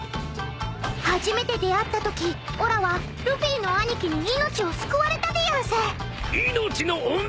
［初めて出会ったときおらはルフィの兄貴に命を救われたでやんす］［命の恩人！？］